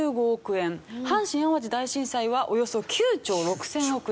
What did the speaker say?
阪神・淡路大震災はおよそ９兆６０００億円。